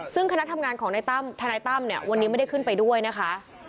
ซึ่งคณะทำงานของทนายตั้มวันนี้ไม่ได้ขึ้นไปด้วยนะคะ